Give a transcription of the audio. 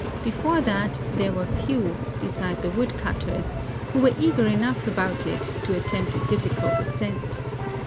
Before that there were few, beside the wood¬ cutters, who were eager enough about it to attempt a difficult ascent.